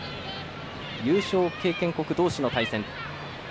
優勝経験国同士の対戦。